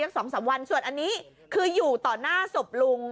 สองสามวันส่วนอันนี้คืออยู่ต่อหน้าศพลุง